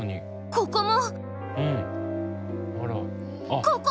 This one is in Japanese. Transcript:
ここも！